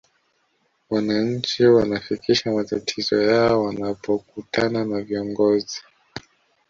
wananchi wanafikisha matatizo yao wanapokutana na viongozi